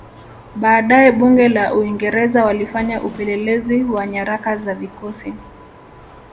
Baadae Bunge la Uingereza walifanya upelelezi wa nyaraka za vikosi